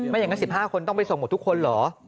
อย่างนั้น๑๕คนต้องไปส่งหมดทุกคนเหรอ